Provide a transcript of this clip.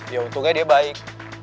ya untungnya dia baik